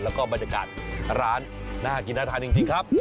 แล้วก็บรรยากาศร้านน่ากินน่าทานจริงครับ